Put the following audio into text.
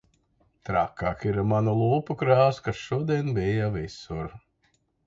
Trakāk ir ar manu lūpu krāsu, kas šodien bija visur.